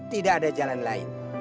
tidak ada jalan lain